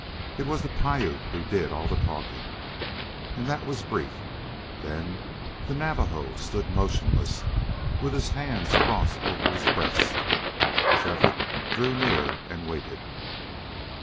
It was the Piute who did all the talking, and that was brief. Then the Navajo stood motionless, with his hands crossed over his breast. Shefford drew near and waited.